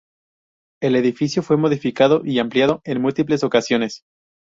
El edificio fue modificado y ampliado en múltiples ocasiones.